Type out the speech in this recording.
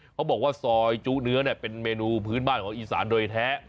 เขาบอกว่าซอยจุเนื้อเป็นเมนูพื้นบ้านของอีสานโดยแท้